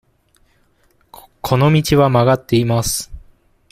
この道は曲がっています。